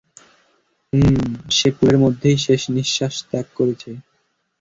হুমম সে পুলের মধ্যেই শেষ নিঃশ্বাস ত্যাগ করেছে।